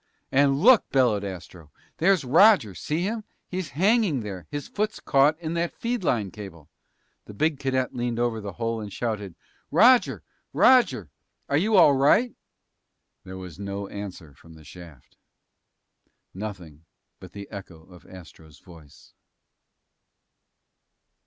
"And look!" bellowed Astro. "There's Roger! See him? He's hanging there! His foot's caught in that feed line cable!" The big cadet leaned over the hole and shouted, "Roger! Roger! Are you all right?" There was no answer from the shaft. Nothing but the echo of Astro's voice.